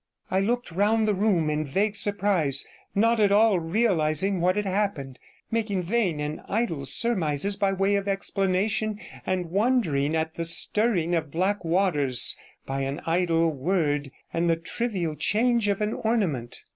I looked round the room in vague surprise, not at all realizing what had happened, making vain and idle surmises by way of explanation, and wondering at the stirring of black waters by an idle word and the trivial change of an ornament.